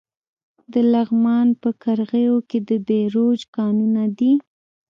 د لغمان په قرغیو کې د بیروج کانونه دي.